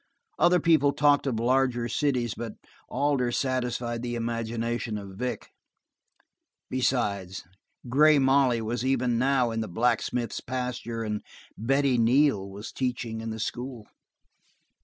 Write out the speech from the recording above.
Other people talked of larger cities, but Alder satisfied the imagination of Vic; besides, Grey Molly was even now in the blacksmith's pasture, and Betty Neal was teaching in the school.